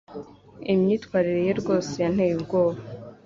Imyitwarire ye rwose yanteye ubwoba.